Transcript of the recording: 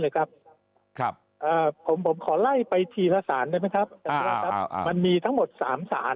เลยครับผมขอไล่ไปทีละสารได้ไหมครับมันมีทั้งหมด๓สาร